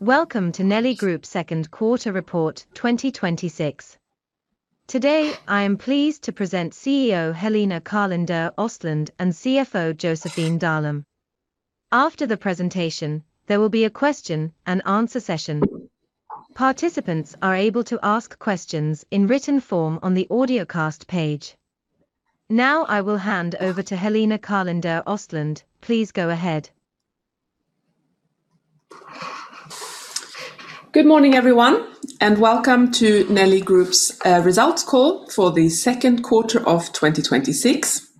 Welcome to Nelly Group's Second Quarter Report 2026. Today, I am pleased to present CEO Helena Karlinder-Östlundh and CFO Josefin Dalum. After the presentation, there will be a question and answer session. Participants are able to ask questions in written form on the audiocast page. I will hand over to Helena Karlinder-Östlundh. Please go ahead. Good morning, everyone, welcome to Nelly Group's results call for the second quarter of 2026.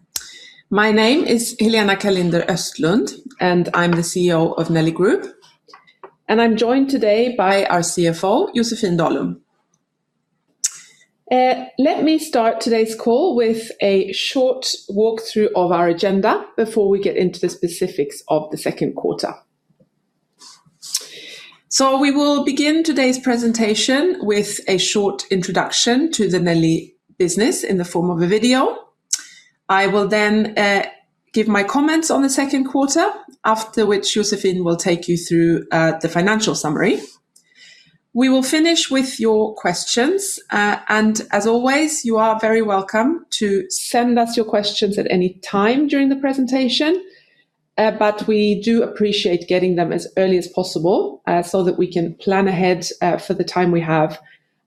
My name is Helena Karlinder-Östlundh, I'm the CEO of Nelly Group, I'm joined today by our CFO, Josefin Dalum. Let me start today's call with a short walkthrough of our agenda before we get into the specifics of the second quarter. We will begin today's presentation with a short introduction to the Nelly business in the form of a video. I will give my comments on the second quarter, after which Josefin will take you through the financial summary. We will finish with your questions, as always, you are very welcome to send us your questions at any time during the presentation. We do appreciate getting them as early as possible so that we can plan ahead for the time we have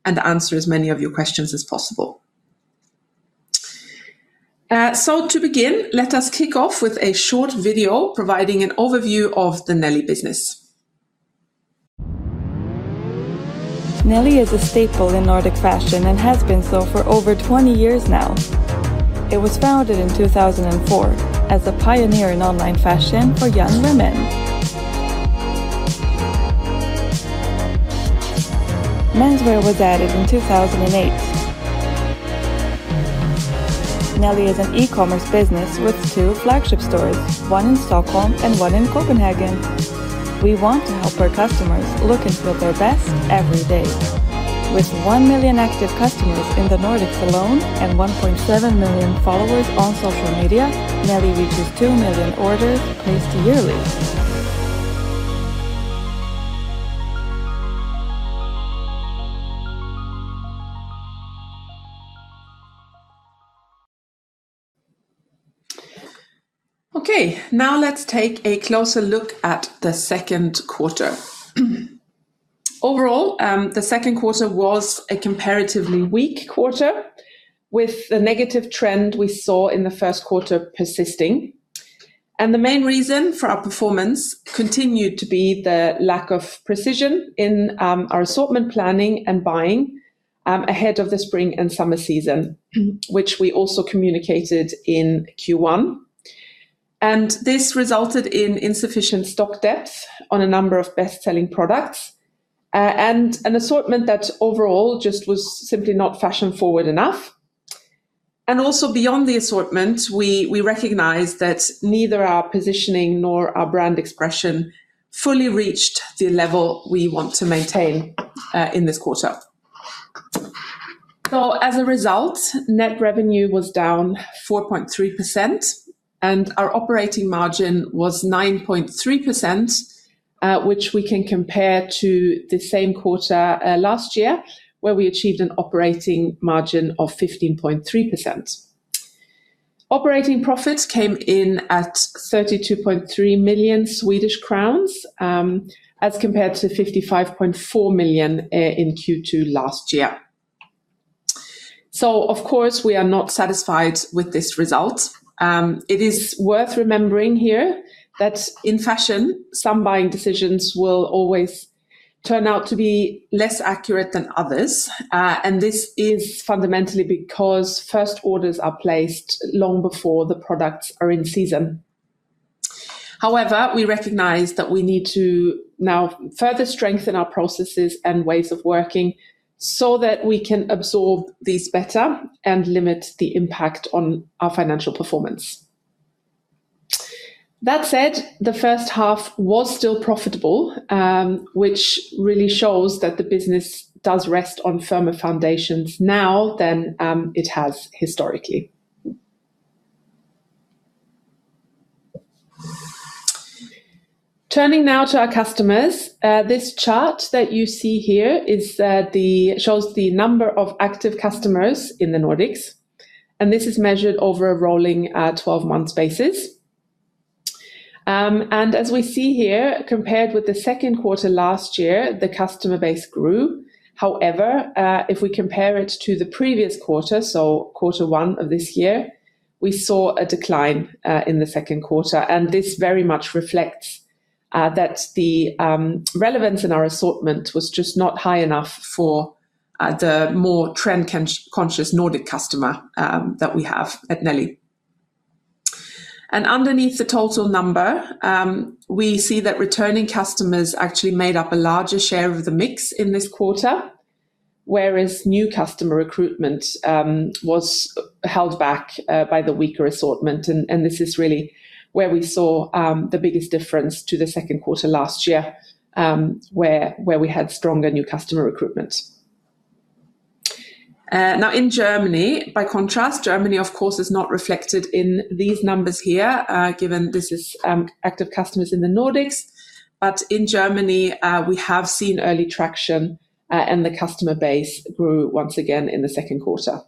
and answer as many of your questions as possible. To begin, let us kick off with a short video providing an overview of the Nelly business. Nelly is a staple in Nordic fashion and has been so for over 20 years now. It was founded in 2004 as a pioneer in online fashion for young women. Menswear was added in 2008. Nelly is an e-commerce business with two flagship stores, one in Stockholm and one in Copenhagen. We want to help our customers look and feel their best every day. With 1 million active customers in the Nordics alone and 1.7 million followers on social media, Nelly reaches 2 million orders placed yearly. Okay. Let's take a closer look at the second quarter. Overall, the second quarter was a comparatively weak quarter with the negative trend we saw in the first quarter persisting. The main reason for our performance continued to be the lack of precision in our assortment planning and buying ahead of the spring and summer season, which we also communicated in Q1. This resulted in insufficient stock depth on a number of best-selling products and an assortment that overall just was simply not fashion-forward enough. Also beyond the assortment, we recognized that neither our positioning nor our brand expression fully reached the level we want to maintain in this quarter. As a result, net revenue was down 4.3%, and our operating margin was 9.3%, which we can compare to the same quarter last year, where we achieved an operating margin of 15.3%. Operating profits came in at 32.3 million Swedish crowns, as compared to 55.4 million in Q2 last year. Of course, we are not satisfied with this result. It is worth remembering here that in fashion, some buying decisions will always turn out to be less accurate than others. This is fundamentally because first orders are placed long before the products are in season. However, we recognize that we need to now further strengthen our processes and ways of working so that we can absorb these better and limit the impact on our financial performance. That said, the first half was still profitable, which really shows that the business does rest on firmer foundations now than it has historically. Turning now to our customers. This chart that you see here shows the number of active customers in the Nordics, and this is measured over a rolling 12-month basis. As we see here, compared with the second quarter last year, the customer base grew. However, if we compare it to the previous quarter, so Q1 of this year, we saw a decline in the second quarter. This very much reflects that the relevance in our assortment was just not high enough for the more trend-conscious Nordic customer that we have at Nelly. Underneath the total number, we see that returning customers actually made up a larger share of the mix in this quarter, whereas new customer recruitment was held back by the weaker assortment. This is really where we saw the biggest difference to the second quarter last year, where we had stronger new customer recruitment. In Germany, by contrast, Germany of course is not reflected in these numbers here, given this is active customers in the Nordics. In Germany, we have seen early traction, and the customer base grew once again in the second quarter.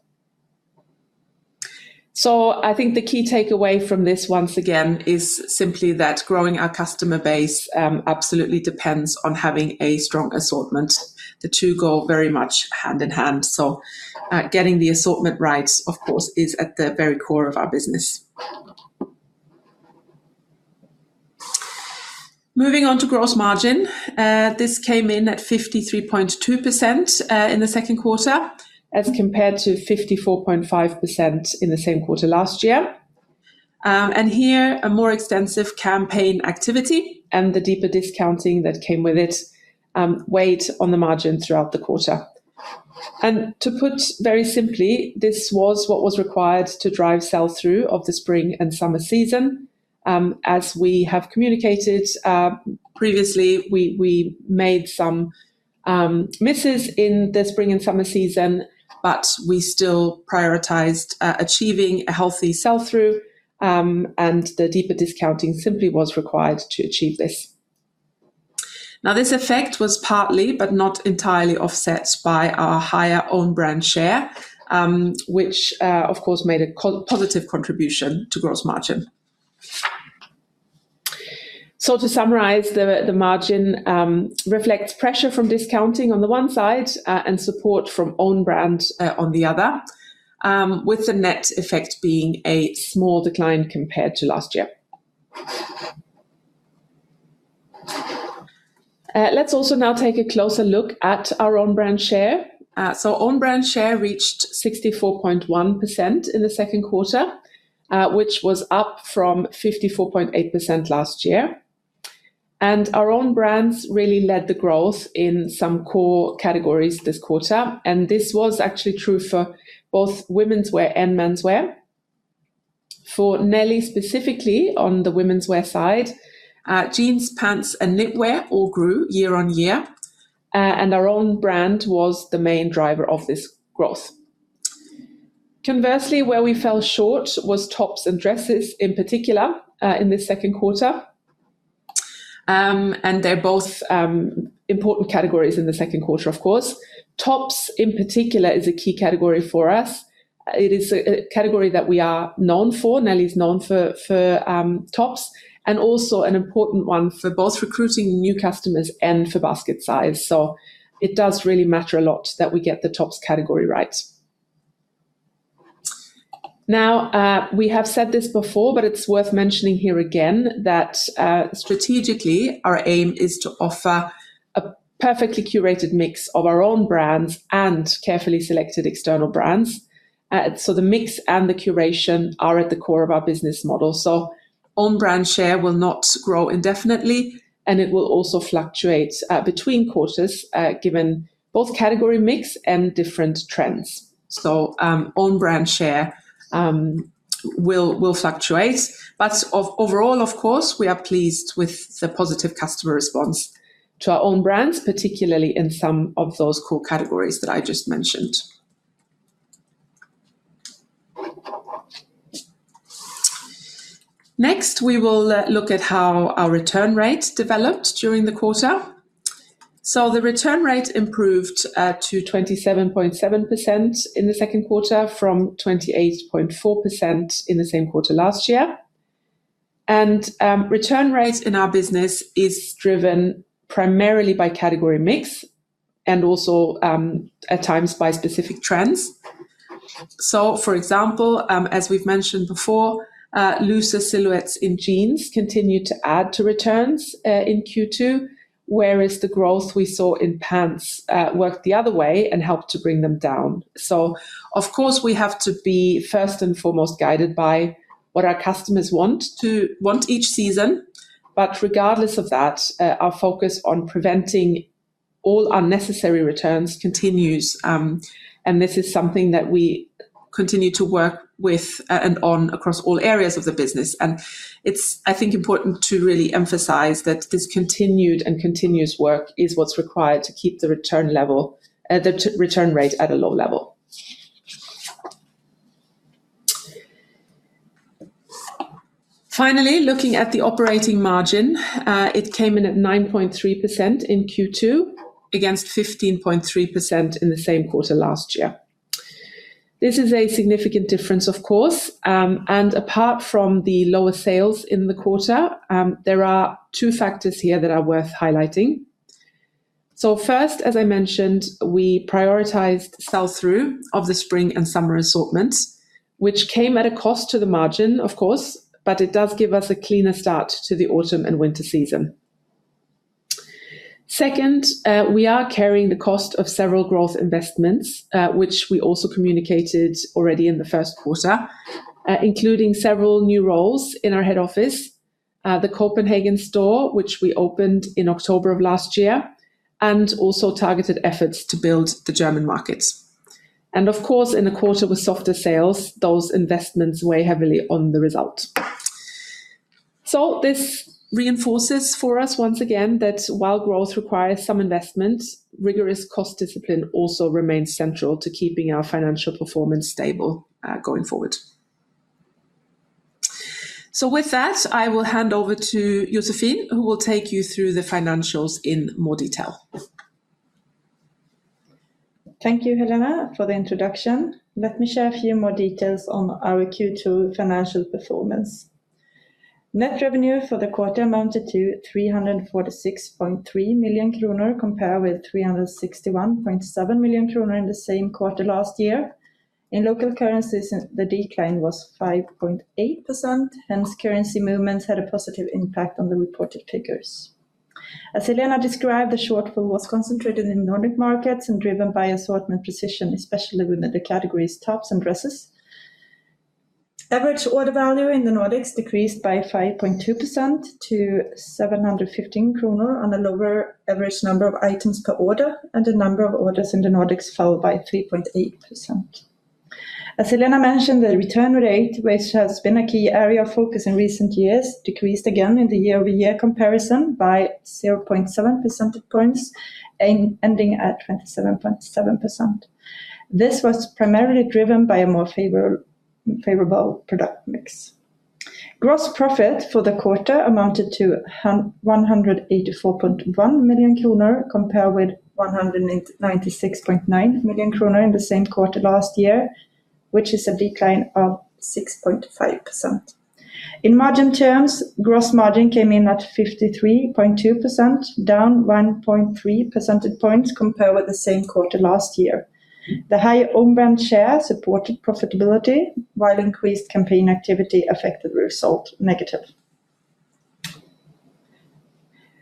I think the key takeaway from this, once again, is simply that growing our customer base absolutely depends on having a strong assortment. The two go very much hand in hand. Getting the assortment right, of course, is at the very core of our business. Moving on to gross margin. This came in at 53.2% in the second quarter as compared to 54.5% in the same quarter last year. Here a more extensive campaign activity and the deeper discounting that came with it weighed on the margin throughout the quarter. To put very simply, this was what was required to drive sell-through of the spring and summer season. As we have communicated previously, we made some misses in the spring and summer season, but we still prioritized achieving a healthy sell-through, and the deeper discounting simply was required to achieve this. This effect was partly, but not entirely, offset by our higher own brand share, which of course, made a positive contribution to gross margin. To summarize, the margin reflects pressure from discounting on the one side and support from own brand on the other, with the net effect being a small decline compared to last year. Let's also now take a closer look at our own brand share. Own brand share reached 64.1% in the second quarter, which was up from 54.8% last year. Our own brands really led the growth in some core categories this quarter. This was actually true for both womenswear and menswear. For Nelly specifically, on the womenswear side, jeans, pants, and knitwear all grew year-over-year. Our own brand was the main driver of this growth. Conversely, where we fell short was tops and dresses in particular, in the second quarter. They're both important categories in the second quarter of course. Tops in particular is a key category for us. It is a category that we are known for, Nelly is known for tops, and also an important one for both recruiting new customers and for basket size. It does really matter a lot that we get the tops category right. We have said this before, but it's worth mentioning here again that strategically our aim is to offer a perfectly curated mix of our own brands and carefully selected external brands. The mix and the curation are at the core of our business model. Own brand share will not grow indefinitely, and it will also fluctuate between quarters, given both category mix and different trends. Own brand share will fluctuate. Overall, of course, we are pleased with the positive customer response to our own brands, particularly in some of those core categories that I just mentioned. Next, we will look at how our return rates developed during the quarter. The return rate improved to 27.7% in the second quarter from 28.4% in the same quarter last year. Return rates in our business is driven primarily by category mix and also at times by specific trends. For example, as we've mentioned before, looser silhouettes in jeans continued to add to returns in Q2, whereas the growth we saw in pants worked the other way and helped to bring them down. Of course, we have to be first and foremost guided by what our customers want each season. Regardless of that, our focus on preventing all unnecessary returns continues, and this is something that we continue to work with and on across all areas of the business. It's, I think, important to really emphasize that this continued and continuous work is what's required to keep the return rate at a low level. Finally, looking at the operating margin. It came in at 9.3% in Q2 against 15.3% in the same quarter last year. This is a significant difference of course, and apart from the lower sales in the quarter, there are two factors here that are worth highlighting. First, as I mentioned, we prioritized sell-through of the spring and summer assortments, which came at a cost to the margin, of course, but it does give us a cleaner start to the autumn and winter season. Second, we are carrying the cost of several growth investments, which we also communicated already in the first quarter, including several new roles in our head office, the Copenhagen store, which we opened in October of last year, and also targeted efforts to build the German markets. Of course, in a quarter with softer sales, those investments weigh heavily on the result. This reinforces for us once again that while growth requires some investment, rigorous cost discipline also remains central to keeping our financial performance stable going forward. With that, I will hand over to Josefin, who will take you through the financials in more detail. Thank you, Helena, for the introduction. Let me share a few more details on our Q2 financial performance. Net revenue for the quarter amounted to 346.3 million kronor, compared with 361.7 million kronor in the same quarter last year. In local currencies, the decline was 5.8%, hence currency movements had a positive impact on the reported figures. As Helena described, the shortfall was concentrated in Nordic markets and driven by assortment precision, especially within the categories tops and dresses. Average order value in the Nordics decreased by 5.2% to 715 kronor on a lower average number of items per order, and the number of orders in the Nordics fell by 3.8%. As Helena mentioned, the return rate, which has been a key area of focus in recent years, decreased again in the year-over-year comparison by 0.7 percentage points, ending at 27.7%. This was primarily driven by a more favorable product mix. Gross profit for the quarter amounted to 184.1 million kronor, compared with 196.9 million kronor in the same quarter last year, which is a decline of 6.5%. In margin terms, gross margin came in at 53.2%, down 1.3 percentage points compared with the same quarter last year. The high own brand share supported profitability, while increased campaign activity affected the result negatively.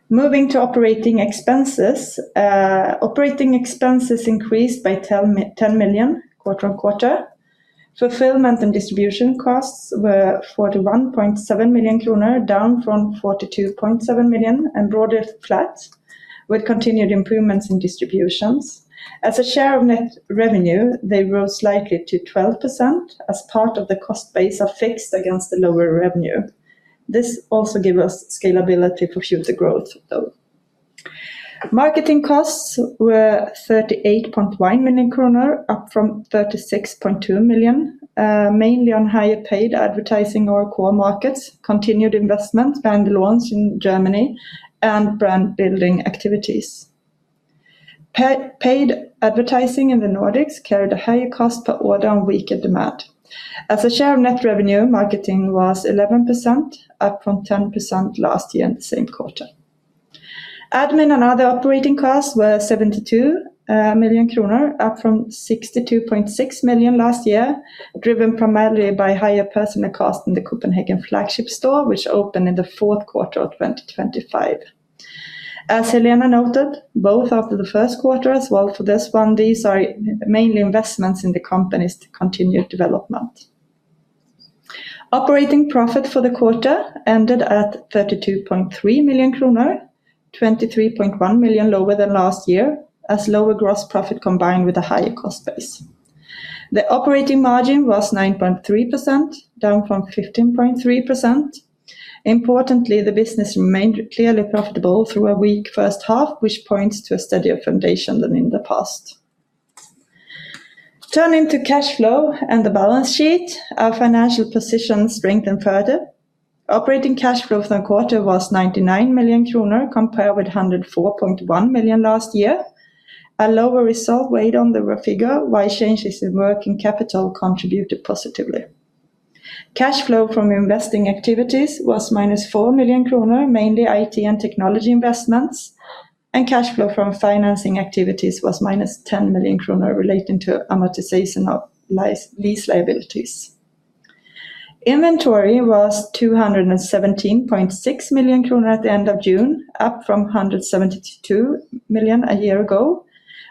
Moving to operating expenses. Operating expenses increased by 10 million quarter-on-quarter. Fulfillment and distribution costs were 41.7 million kronor, down from 42.7 million, and broadly flat with continued improvements in distributions. As a share of net revenue, they rose slightly to 12% as part of the cost base are fixed against the lower revenue. This also give us scalability for future growth, though. Marketing costs were 38.1 million kronor, up from 36.2 million, mainly on higher paid advertising in our core markets, continued investment brand launch in Germany and brand-building activities. Paid advertising in the Nordics carried a higher cost per order and weaker demand. As a share of net revenue, marketing was 11%, up from 10% last year in the same quarter. Admin and other operating costs were 72 million kronor, up from 62.6 million last year, driven primarily by higher personnel costs in the Copenhagen flagship store, which opened in the fourth quarter of 2025. As Helena noted, both after the first quarter as well for this one, these are mainly investments in the company's continued development. Operating profit for the quarter ended at 32.3 million kronor, 23.1 million lower than last year as lower gross profit combined with a higher cost base. The operating margin was 9.3%, down from 15.3%. Importantly, the business remained clearly profitable through a weak first half, which points to a steadier foundation than in the past. Turning to cash flow and the balance sheet, our financial position strengthened further. Operating cash flow for the quarter was 99 million kronor, compared with 104.1 million last year. A lower result weighed on the figure, while changes in working capital contributed positively. Cash flow from investing activities was minus 4 million kronor, mainly IT and technology investments, and cash flow from financing activities was minus 10 million kronor relating to amortization of lease liabilities. Inventory was 217.6 million kronor at the end of June, up from 172 million a year ago,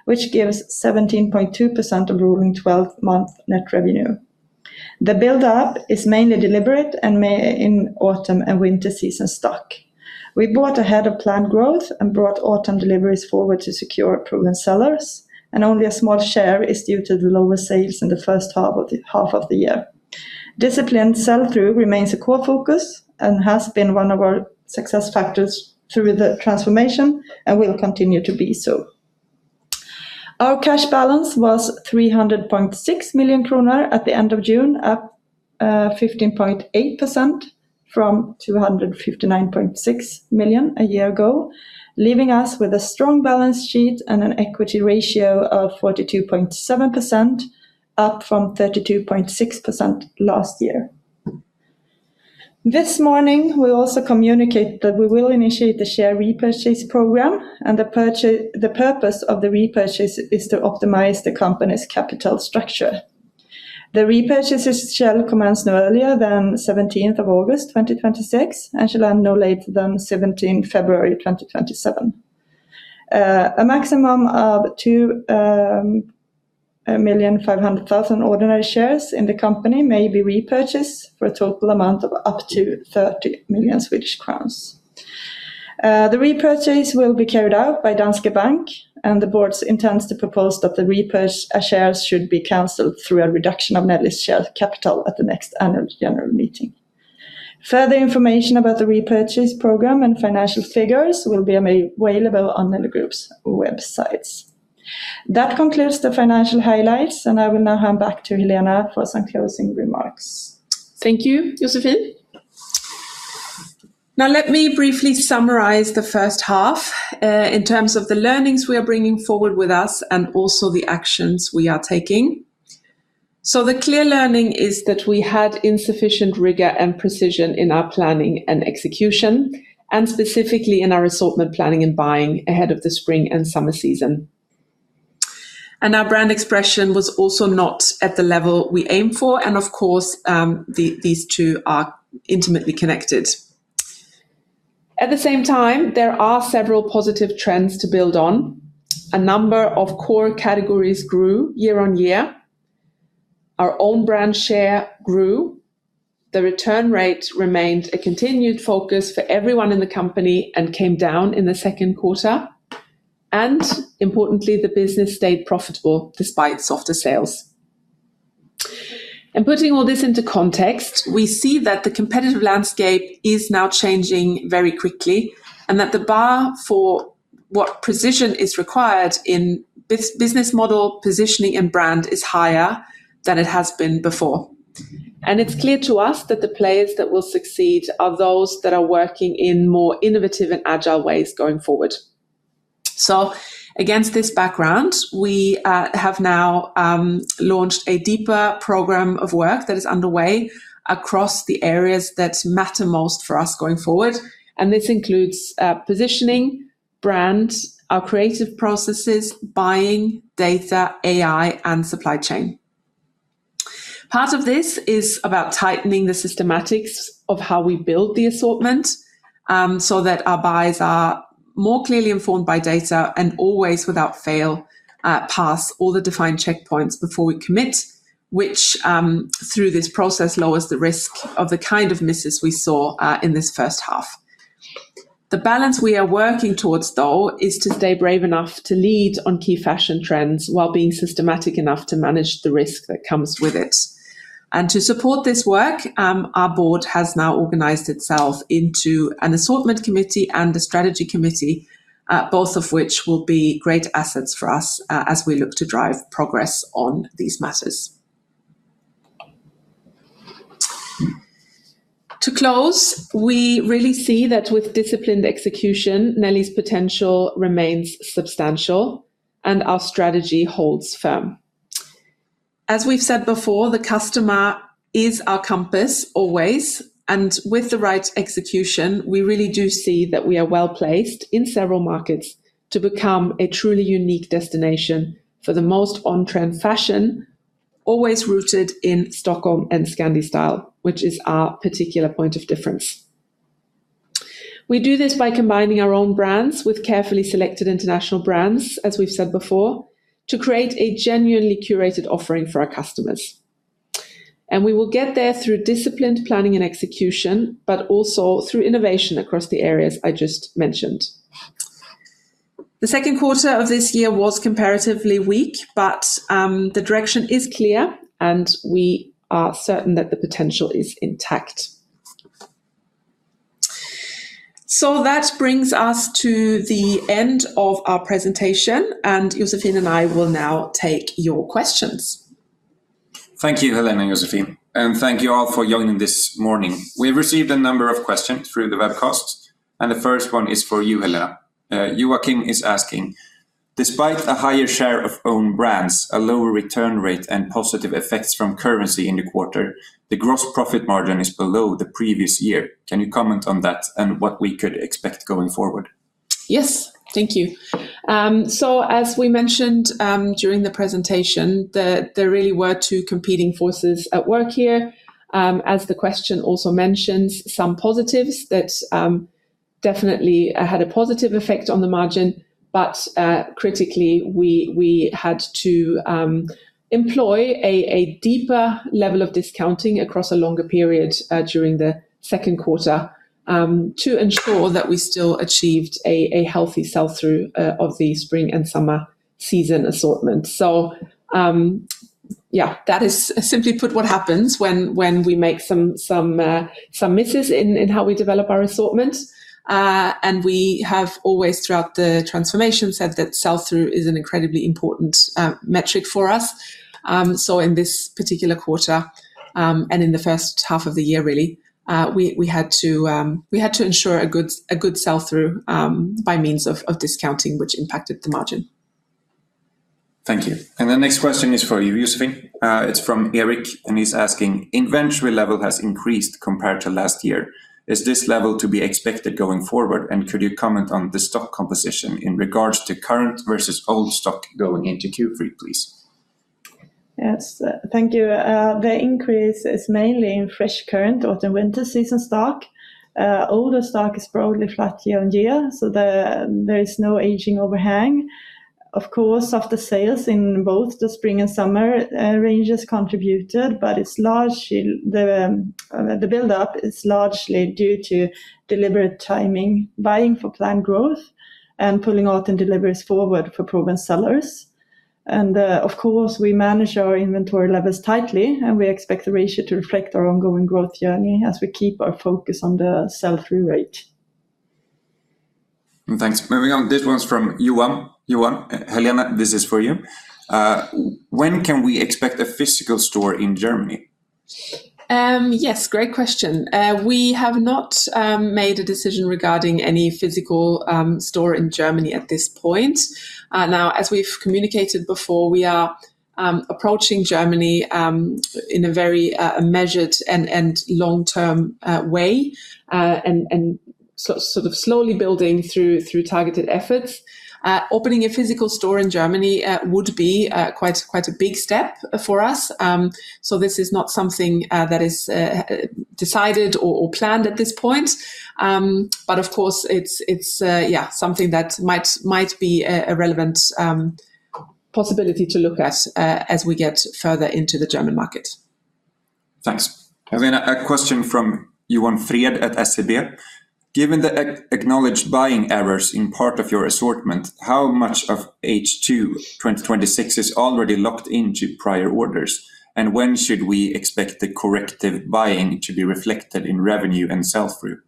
which gives 17.2% of rolling 12-month net revenue. The buildup is mainly deliberate and may in autumn and winter season stock. We bought ahead of planned growth and brought autumn deliveries forward to secure proven sellers, and only a small share is due to the lower sales in the first half of the year. Disciplined sell-through remains a core focus and has been one of our success factors through the transformation and will continue to be so. Our cash balance was 300.6 million kronor at the end of June, up 15.8% from 259.6 million a year ago, leaving us with a strong balance sheet and an equity ratio of 42.7%, up from 32.6% last year. This morning, we also communicate that we will initiate the share repurchase program and the purpose of the repurchase is to optimize the company's capital structure. The repurchase shall commence no earlier than 17th of August 2026 and shall end no later than 17 February 2027. A maximum of 2,500,000 ordinary shares in the company may be repurchased for a total amount of up to 30 million Swedish crowns. The repurchase will be carried out by Danske Bank, and the board's intends to propose that the repurchased shares should be canceled through a reduction of Nelly's share capital at the next annual general meeting. Further information about the repurchase program and financial figures will be available on Nelly Group's websites. That concludes the financial highlights, and I will now hand back to Helena for some closing remarks. Thank you, Josefin. Let me briefly summarize the first half, in terms of the learnings we are bringing forward with us and also the actions we are taking. The clear learning is that we had insufficient rigor and precision in our planning and execution, and specifically in our assortment planning and buying ahead of the spring and summer season. Our brand expression was also not at the level we aim for, and of course, these two are intimately connected. At the same time, there are several positive trends to build on. A number of core categories grew year-on-year. Our own brand share grew. The return rate remained a continued focus for everyone in the company and came down in the second quarter. Importantly, the business stayed profitable despite softer sales. Putting all this into context, we see that the competitive landscape is now changing very quickly, and that the bar for what precision is required in business model positioning and brand is higher than it has been before. It's clear to us that the players that will succeed are those that are working in more innovative and agile ways going forward. Against this background, we have now launched a deeper program of work that is underway across the areas that matter most for us going forward, and this includes positioning, brand, our creative processes, buying, data, AI, and supply chain. Part of this is about tightening the systematics of how we build the assortment, so that our buys are more clearly informed by data and always without fail, pass all the defined checkpoints before we commit, which, through this process, lowers the risk of the kind of misses we saw in this first half. The balance we are working towards, though, is to stay brave enough to lead on key fashion trends while being systematic enough to manage the risk that comes with it. To support this work, our board has now organized itself into an assortment committee and a strategy committee, both of which will be great assets for us as we look to drive progress on these matters. To close, we really see that with disciplined execution, Nelly's potential remains substantial, and our strategy holds firm. As we've said before, the customer is our compass always, and with the right execution, we really do see that we are well-placed in several markets to become a truly unique destination for the most on-trend fashion, always rooted in Stockholm and Scandi style, which is our particular point of difference. We do this by combining our own brands with carefully selected international brands, as we've said before, to create a genuinely curated offering for our customers. We will get there through disciplined planning and execution, but also through innovation across the areas I just mentioned. The second quarter of this year was comparatively weak, but the direction is clear, and we are certain that the potential is intact. That brings us to the end of our presentation, and Josefin and I will now take your questions. Thank you, Helena and Josefin, and thank you all for joining this morning. We received a number of questions through the webcast, and the first one is for you, Helena. Joachim is asking, "Despite a higher share of own brands, a lower return rate, and positive effects from currency in the quarter, the gross profit margin is below the previous year. Can you comment on that and what we could expect going forward? Yes, thank you. As we mentioned during the presentation, there really were two competing forces at work here. As the question also mentions some positives that definitely had a positive effect on the margin, but critically we had to employ a deeper level of discounting across a longer period during the second quarter, to ensure that we still achieved a healthy sell-through of the spring and summer season assortment. That is simply put what happens when we make some misses in how we develop our assortment. We have always throughout the transformation said that sell-through is an incredibly important metric for us. In this particular quarter, and in the first half of the year really, we had to ensure a good sell-through by means of discounting, which impacted the margin. Thank you. The next question is for you, Josefin. It's from Eric, and he's asking, "Inventory level has increased compared to last year. Is this level to be expected going forward? Could you comment on the stock composition in regards to current versus old stock going into Q3, please? Yes, thank you. The increase is mainly in fresh current autumn-winter season stock. Older stock is broadly flat year-over-year, so there is no aging overhang. Of course, after sales in both the spring and summer ranges contributed, but the build up is largely due to deliberate timing, buying for planned growth, and pulling out and deliveries forward for proven sellers. Of course, we manage our inventory levels tightly, and we expect the ratio to reflect our ongoing growth journey as we keep our focus on the sell-through rate. Thanks. Moving on. This one's from Yuan. Yuan, Helena, this is for you. When can we expect a physical store in Germany? Yes, great question. We have not made a decision regarding any physical store in Germany at this point. As we've communicated before, we are approaching Germany in a very measured and long-term way, and sort of slowly building through targeted efforts. Opening a physical store in Germany would be quite a big step for us, so this is not something that is decided or planned at this point. Of course, it's something that might be a relevant possibility to look at as we get further into the German market. Thanks. Helena, a question from Johan Fred at SEB. Given the acknowledged buying errors in part of your assortment, how much of H2 2026 is already locked into prior orders? When should we expect the corrective buying to be reflected in revenue and sell-through?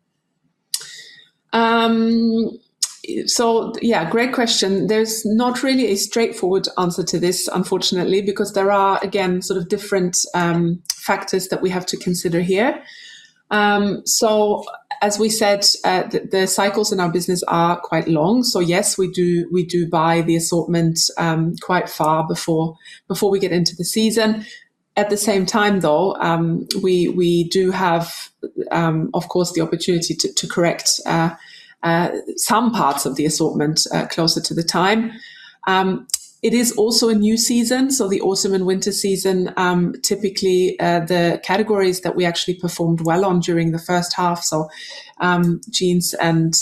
Yeah, great question. There's not really a straightforward answer to this, unfortunately, because there are, again, sort of different factors that we have to consider here. As we said, the cycles in our business are quite long. Yes, we do buy the assortment quite far before we get into the season. At the same time, though, we do have, of course, the opportunity to correct some parts of the assortment closer to the time. It is also a new season, so the autumn and winter season, typically, the categories that we actually performed well on during the first half, so jeans and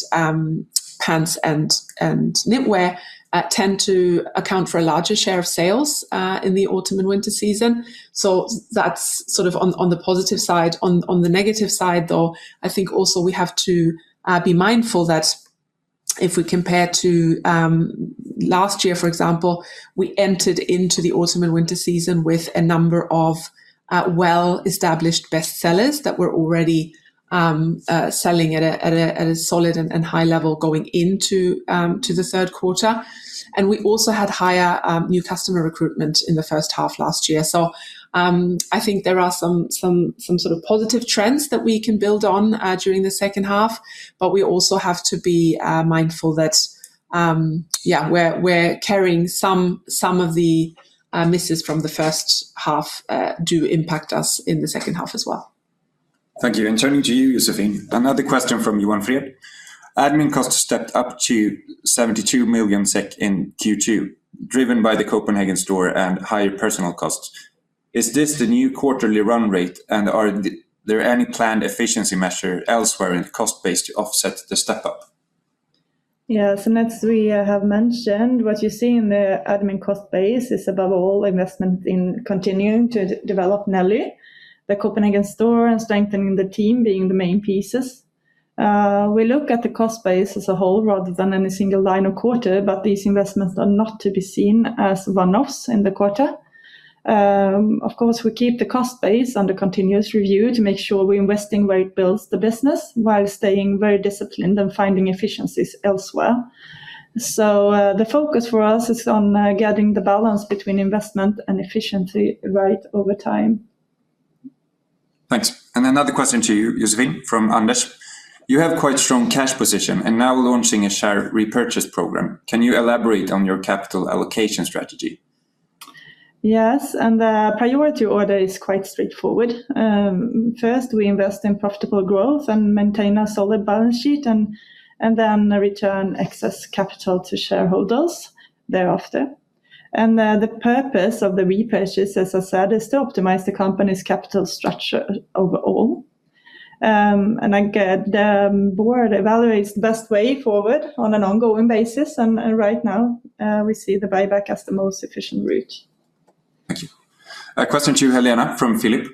pants and knitwear, tend to account for a larger share of sales in the autumn and winter season. That's sort of on the positive side. On the negative side, though, I think also we have to be mindful that if we compare to last year, for example, we entered into the autumn and winter season with a number of well-established bestsellers that were already selling at a solid and high level going into the third quarter. We also had higher new customer recruitment in the first half last year. I think there are some sort of positive trends that we can build on during the second half, but we also have to be mindful that we're carrying some of the misses from the first half do impact us in the second half as well. Thank you. Turning to you, Josefin, another question from Yuan Fred. Admin costs stepped up to 72 million SEK in Q2, driven by the Copenhagen store and higher personal costs. Is this the new quarterly run rate, and are there any planned efficiency measure elsewhere in the cost base to offset the step up? That we have mentioned, what you see in the admin cost base is above all investment in continuing to develop Nelly, the Copenhagen store, and strengthening the team being the main pieces. We look at the cost base as a whole rather than any single line or quarter, but these investments are not to be seen as one-offs in the quarter. Of course, we keep the cost base under continuous review to make sure we're investing where it builds the business while staying very disciplined and finding efficiencies elsewhere. The focus for us is on getting the balance between investment and efficiency right over time. Thanks. Another question to you, Josefin, from Anders. You have quite strong cash position and now launching a share repurchase program. Can you elaborate on your capital allocation strategy? Yes, the priority order is quite straightforward. First, we invest in profitable growth and maintain a solid balance sheet. Then return excess capital to shareholders thereafter. The purpose of the repurchase, as I said, is to optimize the company's capital structure overall. Again, the board evaluates the best way forward on an ongoing basis, and right now, we see the buyback as the most efficient route. Thank you. A question to you, Helena, from Carl-Philip.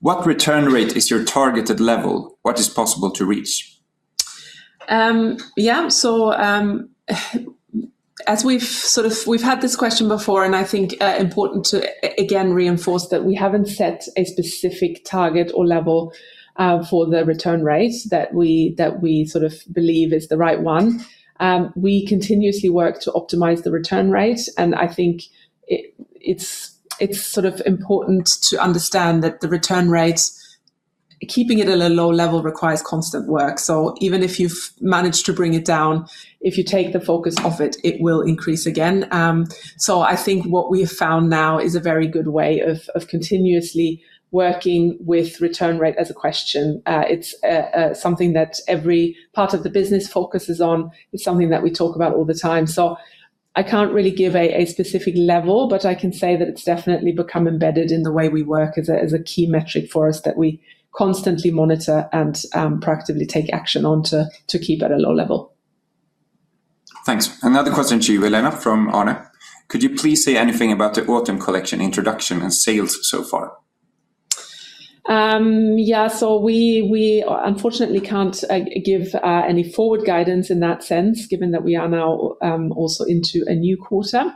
What return rate is your targeted level? What is possible to reach? Yeah. We've had this question before, and I think it's important to, again, reinforce that we haven't set a specific target or level for the return rate that we sort of believe is the right one. We continuously work to optimize the return rate, and I think it's sort of important to understand that the return rate, keeping it at a low level requires constant work. Even if you've managed to bring it down, if you take the focus off it will increase again. I think what we have found now is a very good way of continuously working with return rate as a question. It's something that every part of the business focuses on. It's something that we talk about all the time. I can't really give a specific level, but I can say that it's definitely become embedded in the way we work as a key metric for us that we constantly monitor and proactively take action on to keep at a low level. Thanks. Another question to you, Helena, from Arne. Could you please say anything about the autumn collection introduction and sales so far? Yeah. We unfortunately can't give any forward guidance in that sense, given that we are now also into a new quarter.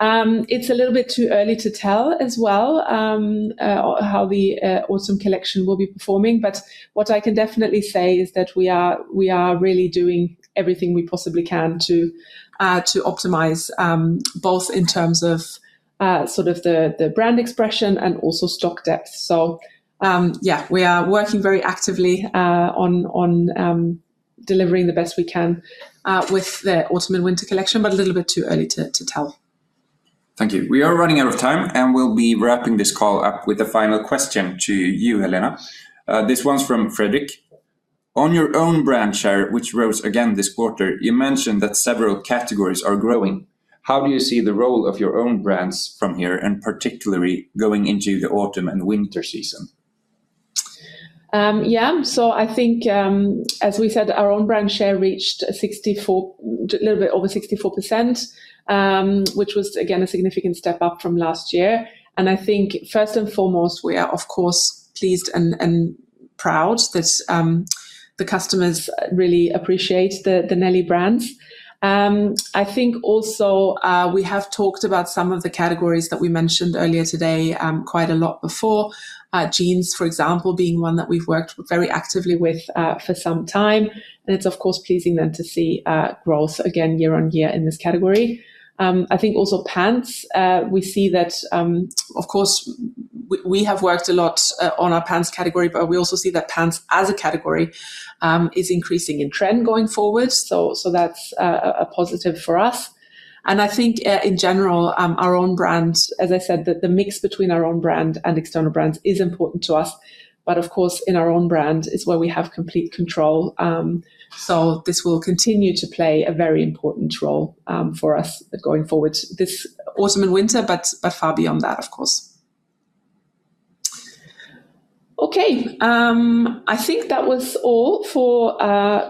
It's a little bit too early to tell as well how the autumn collection will be performing, but what I can definitely say is that we are really doing everything we possibly can to optimize both in terms of the brand expression and also stock depth. Yeah, we are working very actively on delivering the best we can with the autumn and winter collection, but a little bit too early to tell. Thank you. We are running out of time, we'll be wrapping this call up with the final question to you, Helena. This one's from Frederick. On your own brand share, which rose again this quarter, you mentioned that several categories are growing. How do you see the role of your own brands from here, and particularly going into the autumn and winter season? Yeah. I think, as we said, our own brand share reached a little bit over 64%, which was again a significant step up from last year. I think first and foremost, we are of course pleased and proud that the customers really appreciate the Nelly brand. I think also we have talked about some of the categories that we mentioned earlier today quite a lot before. Jeans, for example, being one that we've worked very actively with for some time, it's of course pleasing then to see growth again year on year in this category. I think also pants, we see that, of course, we have worked a lot on our pants category, but we also see that pants as a category is increasing in trend going forward. That's a positive for us. I think in general, our own brands, as I said, that the mix between our own brand and external brands is important to us. Of course, in our own brand is where we have complete control. This will continue to play a very important role for us going forward this autumn and winter, but far beyond that, of course. Okay. I think that was all for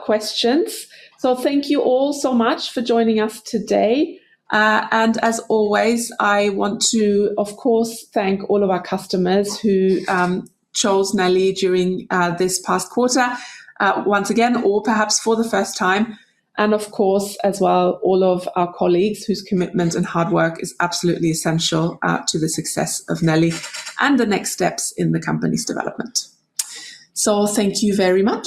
questions. Thank you all so much for joining us today. As always, I want to, of course, thank all of our customers who chose Nelly during this past quarter, once again, or perhaps for the first time. Of course, as well, all of our colleagues whose commitment and hard work is absolutely essential to the success of Nelly and the next steps in the company's development. Thank you very much